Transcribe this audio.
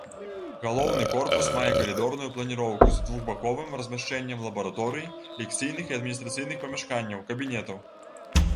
Галоўны корпус мае калідорную планіроўку з двухбаковым размяшчэннем лабараторый, лекцыйных і адміністрацыйных памяшканняў, кабінетаў.